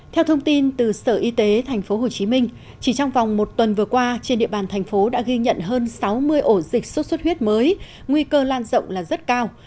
theo thông tin từ sở y tế tp hcm chỉ trong vòng một tuần vừa qua trên địa bàn thành phố đã ghi nhận hơn sáu mươi ổ dịch sốt xuất huyết mới nguy cơ lan rộng là rất cao